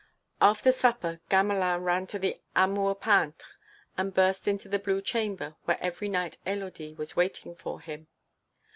After supper Gamelin ran to the Amour Peintre and burst into the blue chamber where every night Élodie was waiting for him.